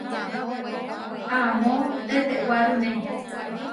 Amó tetewárune.